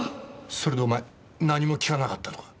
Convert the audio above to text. それでお前何も訊かなかったのか？